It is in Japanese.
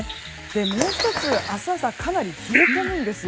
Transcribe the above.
もう１つ、明日朝かなり冷え込むんですよ。